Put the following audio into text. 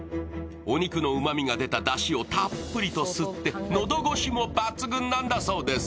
お肉のうまみが出ただしをたっぷりと吸って喉越しも抜群なんだそうです。